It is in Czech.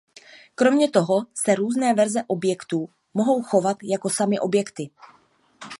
Kromě toho se různé verze objektů mohou chovat jako samy objekty.